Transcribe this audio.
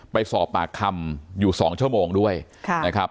ไปสอบปากคำอยู่๒ชั่วโมงด้วยนะครับ